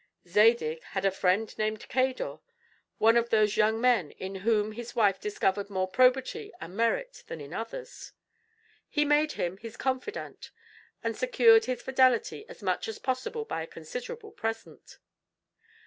Zadig had a friend named Cador, one of those young men in whom his wife discovered more probity and merit than in others. He made him his confidant, and secured his fidelity as much as possible by a considerable present.